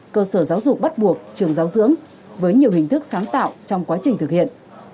cơ sở giáo dục bắt buộc trường giáo dưỡng với nhiều hình thức sáng tạo trong quá trình thực hiện